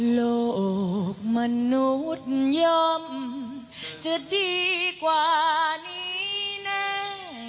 โลกมนุษย์ย่อมจะดีกว่านี้แน่